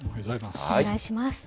お願いします。